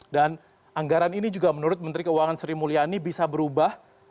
anggaran ini juga menurut menteri keuangan sri mulyani bisa berubah